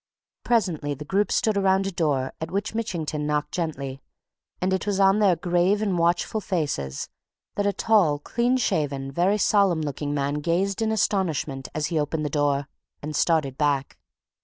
Presently the group stood around a door at which Mitchington knocked gently, and it was on their grave and watchful faces that a tall, clean shaven, very solemn looking man gazed in astonishment as he opened the door, and started back.